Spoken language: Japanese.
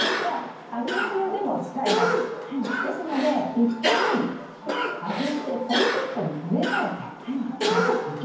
ですので一旦外してポリポットに植え替えてまた秋冬でも使いましょう。